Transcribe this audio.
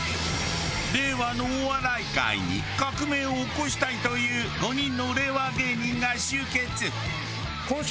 令和のお笑い界に革命を起こしたいという５人の令和芸人が集結。